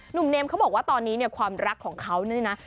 หนุ่มเนมเขาบอกว่าตอนนี้เนี่ยความรักของเขาเนี่ยนะ